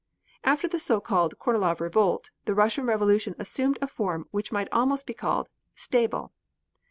After the so called Kornilov revolt, the Russian Revolution assumed a form which might almost be called stable.